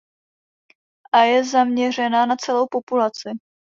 A je zaměřena na celou populaci.